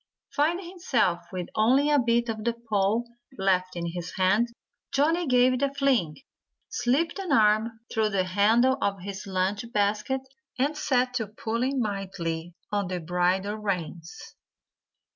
Finding himself with only a bit of the pole left in his hand, Johnnie gave it a fling, slipped an arm through the handle of his lunch basket, and set to pulling mightily on the bridle reins.